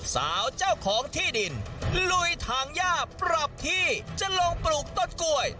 สาวเจ้าของที่ดินลุยถังย่าปรับที่จะลงปลูกต้นกล้วย